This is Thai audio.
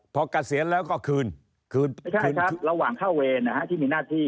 พอกเกษียณแล้วก็คืนคืนไม่ใช่ครับระหว่างเข้าเวรนะฮะที่มีหน้าที่